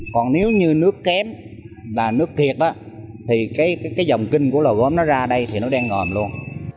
còn nếu như nước kém là nước thiệt đó thì cái dòng kinh của lò gốm nó ra đây thì nó đen ngòm luôn